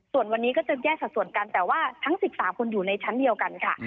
ส่วนวันนี้ก็จะแยกสัดส่วนกันแต่ว่าทั้ง๑๓คนอยู่ในชั้นเดียวกันค่ะ